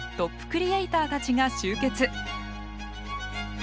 クリエイターたちが集結。